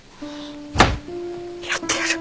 やってやる